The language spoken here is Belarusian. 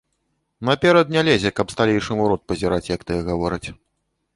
Наперад не лезе, каб сталейшым у рот пазіраць, як тыя гавораць.